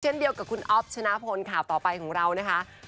เช่นเดียวกับคุณอ๊อฟชนะพลข่าวต่อไปของเรานะคะ